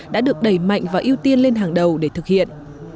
đã được đẩy mạnh và ưu tiên lên hàng đầu để thực hiện